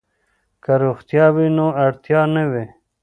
که روغتیا وي نو اړتیا نه وي.